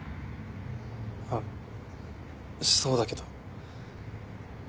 あっそうだけど。